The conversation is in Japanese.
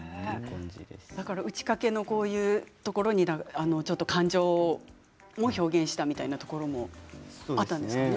打ち掛けのこういうところにちょっと感情を表現したみたいなところもあったんですかね。